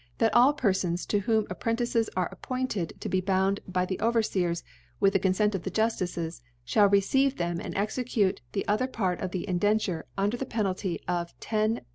« That all PferfortS to whom Apprerttides are appointed to be bound by the Ovevfeers with the Confent of the Juftices, (hall receive theni, and execute the other Part of the Indenture, under the Penalty of lo